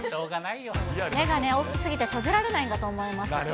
目がね、大きすぎて、閉じられないんだと思います。